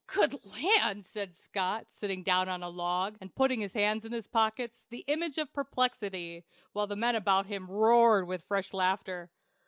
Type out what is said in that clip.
"Good land!" said Scott, sitting down on a log, and putting his hands in his pockets, the image of perplexity, while the men about him roared with fresh laughter.